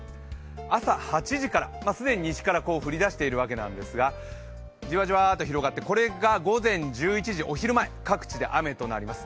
朝８時から、既に西から降り出しているわけですが、じわじわと広がってこれが午前１１時、お昼前各地で雨となります。